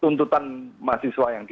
tuntutan mahasiswa yang di